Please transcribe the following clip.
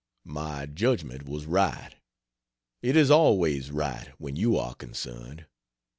My judgment was right; it is always right, when you axe concerned.